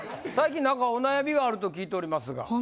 最近何かお悩みがあると聞いておりますが。